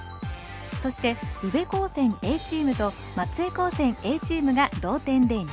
そして宇部高専Ａチームと松江高専Ａチームが同点で２位。